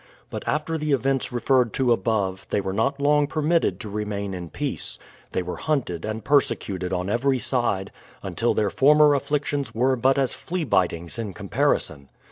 But after the events referred to above, they were not long per mitted to remain in peace. They were hunted and perse cuted on every side, until their former afflictions were but as fleabitings in comparison.